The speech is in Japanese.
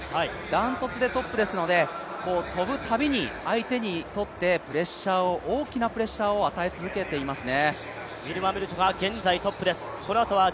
断トツでトップですので、跳ぶたびに相手にとって大きなプレッシャーを与え続けていますね。